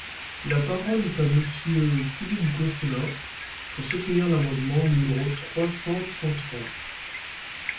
La parole est à Monsieur Philippe Gosselin, pour soutenir l’amendement numéro trois cent trente-trois.